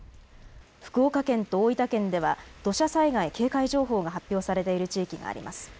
福岡県と大分県では土砂災害警戒情報が発表されている地域があります。